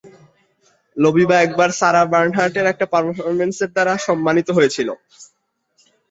লবিটা একবার সারাহ বার্নহার্টের একটা পারফরম্যান্সের দ্বারা সম্মানিত হয়েছিল।